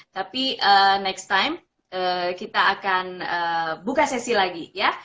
tapi next time kita akan buka sesi lagi ya